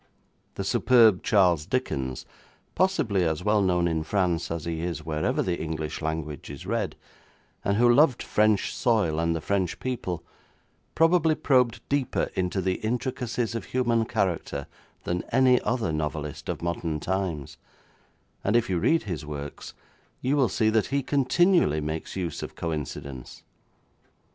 The superb Charles Dickens, possibly as well known in France as he is wherever the English language is read, and who loved French soil and the French people, probably probed deeper into the intricacies of human character than any other novelist of modern times, and if you read his works, you will see that he continually makes use of coincidence.